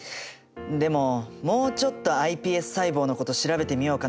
でももうちょっとｉＰＳ細胞のこと調べてみようかな。